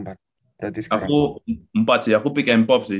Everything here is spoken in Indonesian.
aku empat sih aku pick and pop sih